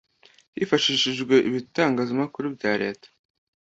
hifashishijwe ibitangazamakuru bya Leta